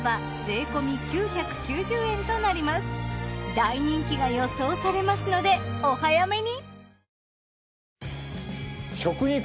大人気が予想されますのでお早めに！